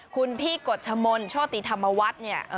คุณพี่กฎชมนต์โชติธรรมวัฒน์เนี่ย